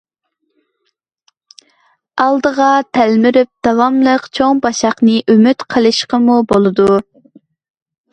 ئالدىغا تەلمۈرۈپ داۋاملىق چوڭ باشاقنى ئۈمىد قىلىشقىمۇ بولىدۇ.